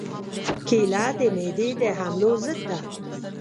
کېله د معدې د حملو ضد ده.